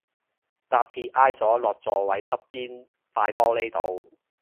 搭鐵挨咗落座位側邊塊玻璃度